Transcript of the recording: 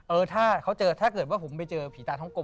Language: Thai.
เออถ้าเขาเจอถ้าเกิดว่าผมไปเจอผีตาท้องกลม